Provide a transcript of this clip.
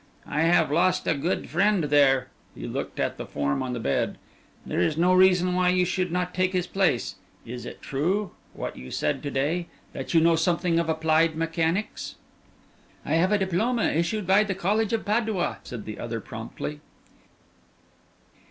"I have lost a good friend there" he looked at the form on the bed; "there is no reason why you should not take his place. Is it true what you said to day that you know something of applied mechanics?" "I have a diploma issued by the College of Padua," said the other promptly.